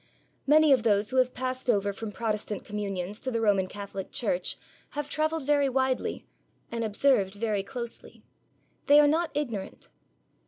Many of those who have passed over from Protestant communions to the Roman Catholic Church have travelled very widely and observed very closely. They are not ignorant.